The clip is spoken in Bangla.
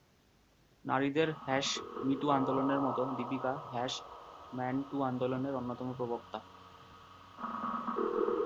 নারীদের হ্যাশ মি টু আন্দোলনের মত দীপিকা হ্যাশ মেন টু আন্দোলনের অন্যতম প্রবক্তা।